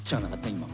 今。